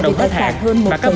về tác giả hơn một bảy tỷ đồng